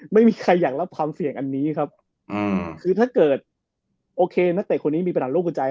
ไม่มีใครอยากรับความเสี่ยงอันนี้ครับคือถ้าเกิดโอเคนักเตะคนนี้มีปัญหาโรคหัวใจ